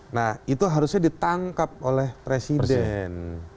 nah itu harusnya ditangkap oleh presiden